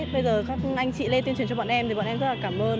bây giờ các anh chị lê tuyên truyền cho bọn em thì bọn em rất là cảm ơn